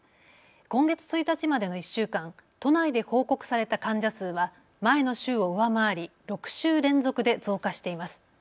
今月１日までの１週間、都内で報告された患者数は前の週を上回り６週連続で増加しています。